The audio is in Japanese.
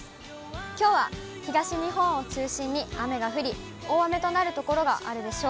きょうは東日本を中心に雨が降り、大雨となる所があるでしょう。